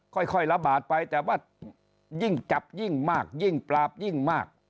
ค่อยระบาดไปแต่ว่ายิ่งจับยิ่งมากยิ่งปราบยิ่งมาก